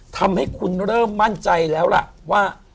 ทำให้คุณเริ่มมั่นใจแล้วล่ะว่า